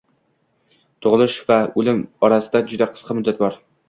Tug‘ilish va o‘lim orasida juda qisqa muddat bor.